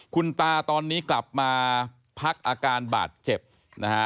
คุณตาตอนนี้กลับมาพักอาการบาดเจ็บนะฮะ